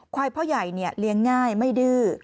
ควายพ่อใหญ่เลี้ยงง่ายไม่ดื้อ